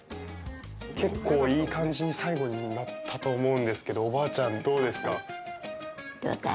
結構いい感じに最後になったと思うんですけどおばあちゃん、どうですか。